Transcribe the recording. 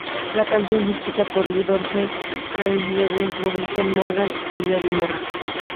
La canción fue escrita por Lee Dorsey, Clarence Lewis, Robinson y Morgan Levy Morris.